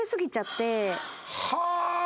はあ！